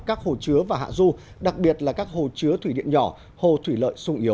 các hồ chứa và hạ du đặc biệt là các hồ chứa thủy điện nhỏ hồ thủy lợi sung yếu